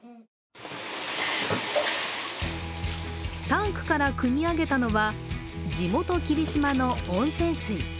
タンクからくみ上げたのは地元・霧島の温泉水。